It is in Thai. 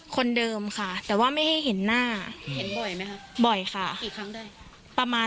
ก่อนเกิดเหตุไฟไหม้เหรอ